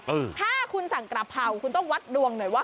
เออถ้าคุณสั่งกระเพราคุณต้องวัดดวงหน่อยว่า